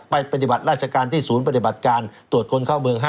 ปฏิบัติราชการที่ศูนย์ปฏิบัติการตรวจคนเข้าเมือง๕